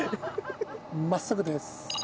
真っすぐです。